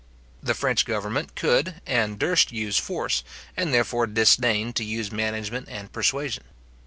The French government could and durst use force, and therefore disdained to use management and persuasion.